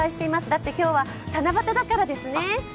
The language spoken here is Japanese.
だって今日は七夕だからですね。